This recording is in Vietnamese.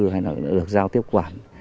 hay là được giao tiếp quản